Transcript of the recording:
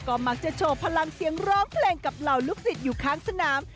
ก็มักจะโชว์พลังเสียงร้องเพลงกับเหล่าลูกศิษย์อยู่ข้างสนาม